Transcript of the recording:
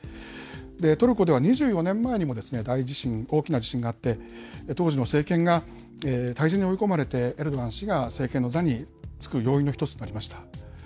トルコでは２４年前にも大地震、大きな地震があって、当時の政権が退陣に追い込まれて、エルドアン氏が政権の座に就く要因の一つとなりました。